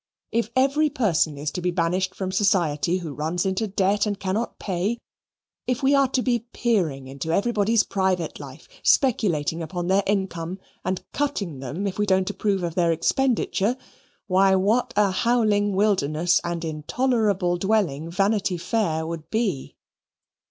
If every person is to be banished from society who runs into debt and cannot pay if we are to be peering into everybody's private life, speculating upon their income, and cutting them if we don't approve of their expenditure why, what a howling wilderness and intolerable dwelling Vanity Fair would be!